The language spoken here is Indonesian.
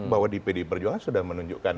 bahwa di pdi perjuangan sudah menunjukkan